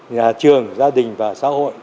nhà trường gia đình và xã hội